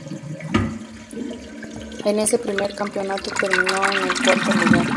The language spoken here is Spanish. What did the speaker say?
En ese primer Campeonato terminó en el Cuarto lugar.